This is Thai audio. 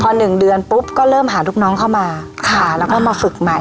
พอ๑เดือนปุ๊บก็เริ่มหาลูกน้องเข้ามาค่ะแล้วก็มาฝึกใหม่